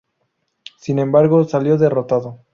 Sin embargo, salio derrotado.